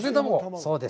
そうです。